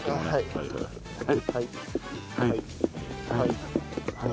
はいはいはいはい。